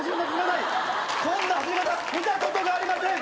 こんな走り方見たことがありません！